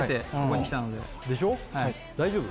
大丈夫？